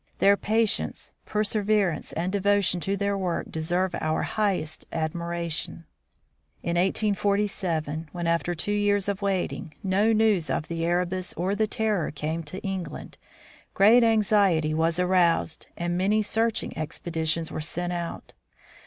Their patience, per severance, and devotion to their work deserve our highest admiration. In 1847, when, after two years of waiting, no news of the Erebus or the Terror came to England, great anxiety was aroused and many searching expeditions were sent out.